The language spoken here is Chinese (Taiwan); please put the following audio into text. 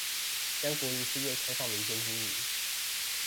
將國營事業開放民間經營